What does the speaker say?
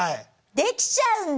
できちゃうんだ！